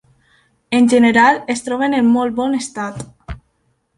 En general, es troben en molt bon estat.